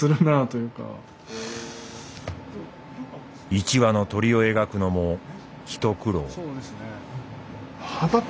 １羽の鳥を描くのもひと苦労。